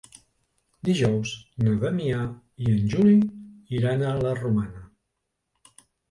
Dijous na Damià i en Juli iran a la Romana.